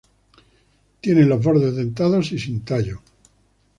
Tienen los bordes dentados y sin tallo.